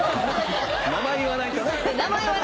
名前言わないとね。